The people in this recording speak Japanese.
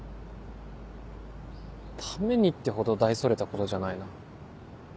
「ために」ってほど大それたことじゃないな。